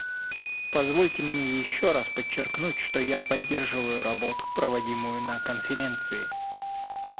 Позвольте мне еще раз подчеркнуть, что я поддерживаю работу, проводимую на Конференции.